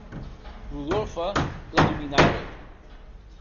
Rodolphe la dominaue.